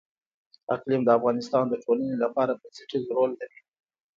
اقلیم د افغانستان د ټولنې لپاره بنسټيز رول لري.